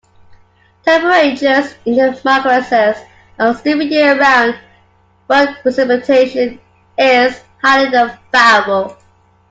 Temperatures in the Marquesas are stable year around, but precipitation is highly variable.